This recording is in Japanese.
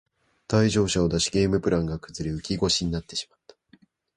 退場者を出しゲームプランが崩れ浮き腰になってしまった